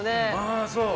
ああそう。